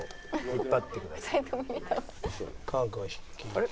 あれ？